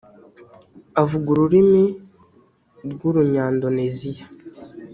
avuga ururimi rw urunyandoneziya